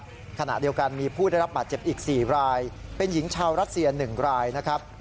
ขณะเดียวกันมีผู้ได้รับบาดเจ็บอีก๔รายเป็นหญิงชาวรัสเซีย๑รายนะครับ